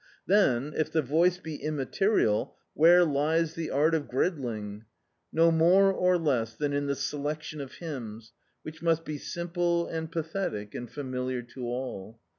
Then, if the voice be immaterial, where lies the art of gridling? No more or less than in the selection of hymns, which must be simple and pathetic and familiar to all.